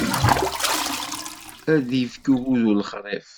Ad d-ifk ugudu lexṛif.